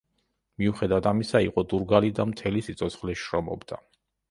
მიუხედავად ამისა იყო დურგალი და მთელი სიცოცხლე შრომობდა.